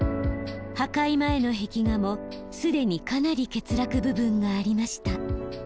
破壊前の壁画も既にかなり欠落部分がありました。